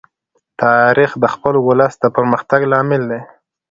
تاریخ د خپل ولس د پرمختګ لامل دی.